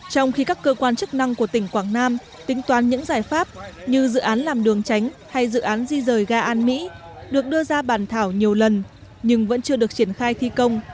trong khi các cơ quan chức năng của tỉnh quảng nam tính toán những giải pháp như dự án làm đường tránh hay dự án di rời ga an mỹ được đưa ra bàn thảo nhiều lần nhưng vẫn chưa được triển khai thi công